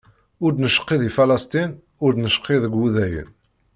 Ur d-necqi di Falasṭin, ur d-necqi deg Wudayen.